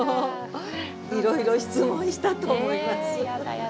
いろいろ質問したと思います。